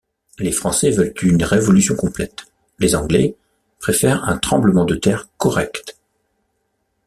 Les français veulent une révolution complète ; les anglais préfèrent un tremblement de terre correct.